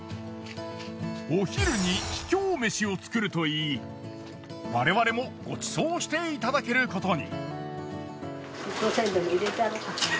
お昼に秘境めしを作ると言い我々もごちそうしていただけることに。